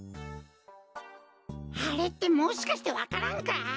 あれってもしかしてわか蘭か！？